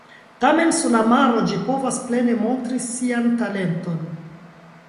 Tamen sur la maro ĝi povas plene montri sian talenton.